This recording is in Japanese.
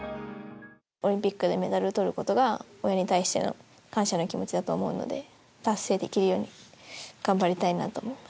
オリンピックでメダルをとることが、親に対しての感謝の気持ちだと思うので、達成できるように頑張りただいま。